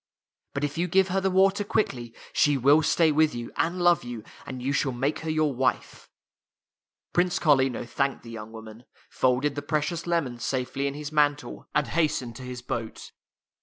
But if you give her the water quickly, she will stay with you, and love you, and you shall make her your wife." Prince Carlino thanked the young woman, folded the precious lemons safely in his man tle, and hastened to his boat.